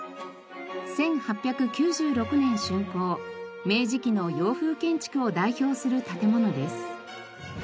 １８９６年竣工明治期の洋風建築を代表する建物です。